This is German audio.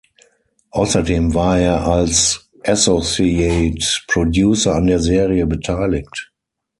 Außerdem war er als "associate producer" an der Serie beteiligt.